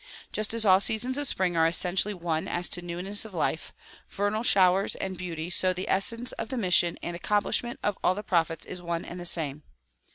Just as all seasons of spring are essentially one as to newness of life, vernal show^ers and beauty so the essence of the mission and accomplish ment of all the prophets is one and the same.